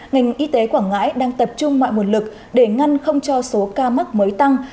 ngành y tế quảng ngãi đang tập trung mọi nguồn lực để ngăn không cho số ca mắc mới tăng